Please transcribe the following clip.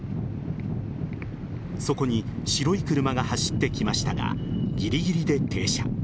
そこに白い車が走ってきましたがぎりぎりで停車。